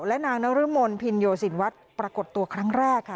และนางนรมนพินโยสินวัฒน์ปรากฏตัวครั้งแรกค่ะ